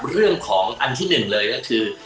เรื่องของอันที่หนึ่งเลยก็คือ